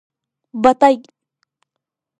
بتۍ.